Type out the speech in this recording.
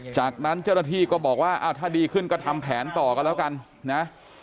จากนั้นเจ้าหน้าที่ก็บอกว่าถ้าดีขึ้นก็ทำแผนต่อกันแล้วกันนะ